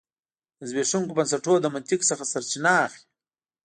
د زبېښونکو بنسټونو له منطق څخه سرچینه اخلي.